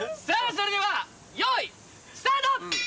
それでは用意スタート！